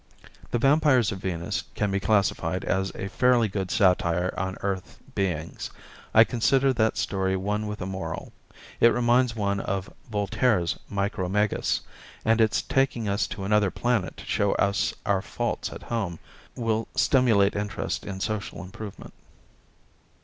The "Vampires of Venus" can be classed as a fairly good satire on Earth beings; I consider that story one with a moral. It reminds one of Voltaire's Micromegas, and it's taking us to another planet to show us our faults at home will stimulate interest in social improvement.